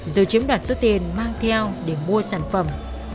rồi chiếm đoạt số tiền mang theo để mua sản phẩm